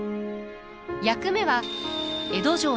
役目は江戸城の警護。